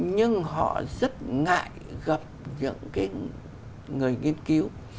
nhưng họ rất ngại gặp những cái người nghiên cứu